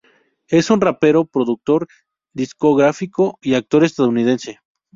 Es un rapero, productor discográfico y actor estadounidense.